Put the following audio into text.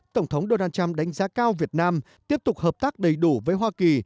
tổng thống donald trump đánh giá cao việt nam tiếp tục hợp tác đầy đủ với hoa kỳ